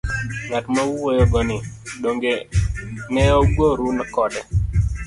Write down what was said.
Ng'at ma uwuoyo go ni, dong'e ne ugoru kode?